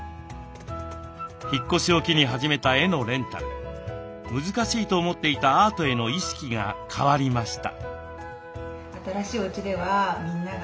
引っ越しを機に始めた絵のレンタル難しいと思っていたアートへの意識が変わりました。